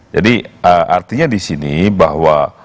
artinya di sini bahwa